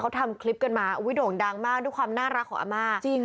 เขาทำคลิปกันมาโด่งดังมากด้วยความน่ารักของอาม่าจริง